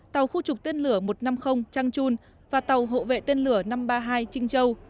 tàu khu trục tên lửa một trăm năm mươi trang chun và tàu hộ vệ tên lửa năm trăm ba mươi hai trinh châu